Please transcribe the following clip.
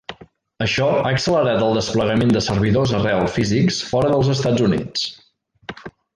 Això ha accelerat el desplegament de servidors arrel físics fora dels Estats Units.